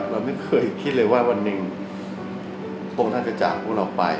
เราไม่เคยคิดเลยว่าวันหนึ่งพระองค์ท่านจะจากพวกเราไป